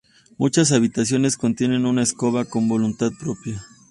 Muchas habitaciones contienen una escoba con voluntad propia.